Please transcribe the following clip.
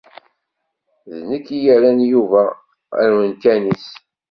D nekk i yerran Yuba ar wemkan-is.